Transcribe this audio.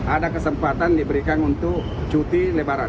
ada kesempatan diberikan untuk cuti lebaran